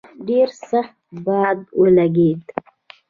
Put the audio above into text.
ډېر سخت باد ولګېد.